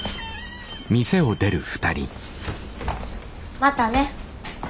またね。